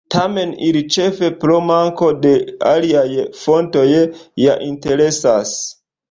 Tamen ili, ĉefe pro manko de aliaj fontoj, ja interesas.